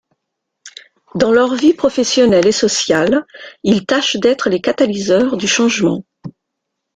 Dans leurs vies professionnelles et sociales, ils tâchent d'être les catalyseurs du changement.